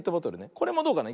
これもどうかな。